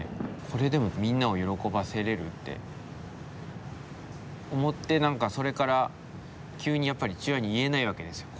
これでもみんなを喜ばせれるって思って何かそれから急にやっぱり父親に言えないわけですよ。